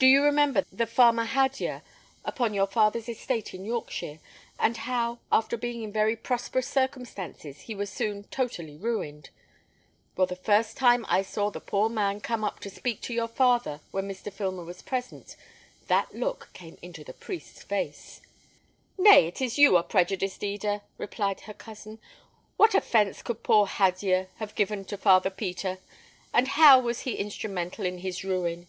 Do you remember the farmer Hadyer, upon your father's estate in Yorkshire, and how, after being in very prosperous circumstances, he was soon totally ruined? Well, the first time I saw the poor man come up to speak to your father when Mr. Filmer was present, that look came into the priest's face." "Nay, it is you are prejudiced, Eda," replied her cousin. "What offence could poor Hadyer have given to Father Peter, and how was he instrumental in his ruin?"